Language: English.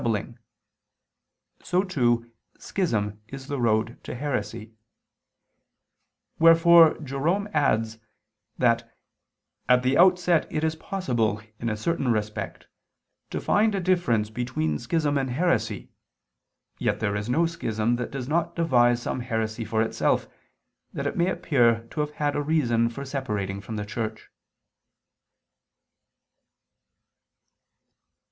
iii, 10) that "at the outset it is possible, in a certain respect, to find a difference between schism and heresy: yet there is no schism that does not devise some heresy for itself, that it may appear to have had a reason for separating from the Church."